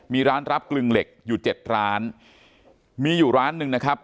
มีร้านรับกลึงเหล็กอยู่เจ็ดร้านมีอยู่ร้านหนึ่งนะครับ